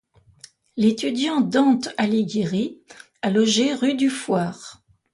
L'étudiant Dante Alighieri a logé rue du Fouarre.